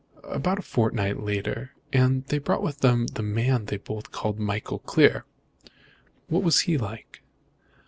"About a fortnight later, and they brought with them the man they both called Michael Clear." "What is he like?"